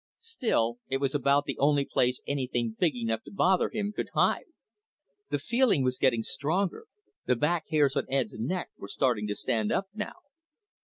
Still, it was about the only place anything big enough to bother him could hide. The feeling was getting stronger, the back hairs on Ed's neck were starting to stand up now.